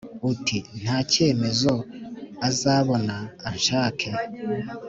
uti”nta kemezo azabona, anshake,